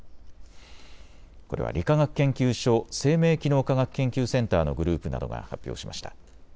これは理化学研究所生命機能科学研究センターのグループなどが発表しました。